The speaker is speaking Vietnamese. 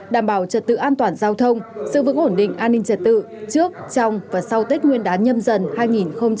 đảm bảo trật tự an toàn giao thông sự vững ổn định an ninh trật tự trước trong và sau tết nguyên đán nhâm dần hai nghìn hai mươi